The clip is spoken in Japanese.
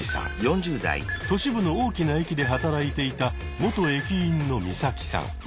都市部の大きな駅で働いていた元駅員のミサキさん。